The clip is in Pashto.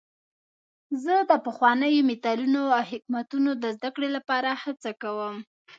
زه د پخوانیو متلونو او حکمتونو د زدهکړې لپاره هڅه کوم.